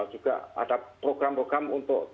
juga ada program program untuk